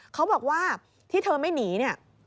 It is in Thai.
เขาบอกว่าที่เธอไม่หนีเนี่ย